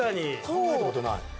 考えたことない。